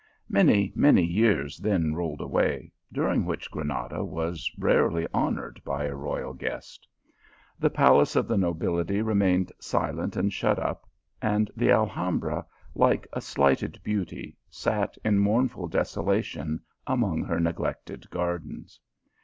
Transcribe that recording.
Many, many years then rolled away, during which Granada was rarely honoured by a royal guest. The palaces of the nobility remained silent and shut up ; and the Alhambra, like a slighted beauty, sat in mournful desolation among her neglected gardens.